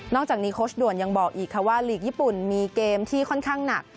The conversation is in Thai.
จากนี้โค้ชด่วนยังบอกอีกค่ะว่าลีกญี่ปุ่นมีเกมที่ค่อนข้างหนัก